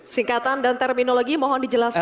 singkatan dan terminologi mohon dijelaskan